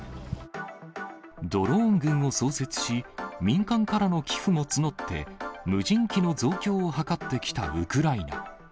ドローン軍を創設し、民間からの寄付も募って、無人機の増強を図ってきたウクライナ。